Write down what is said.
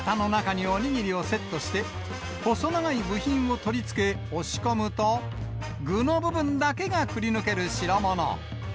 型の中にお握りをセットして、細長い部品を取り付け、押し込むと、具の部分だけがくりぬける代物。